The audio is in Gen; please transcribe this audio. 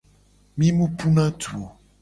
Mi mu puna du o.